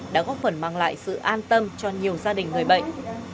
đã góp phần mang lại sự an tâm cho nhiều gia đình người bệnh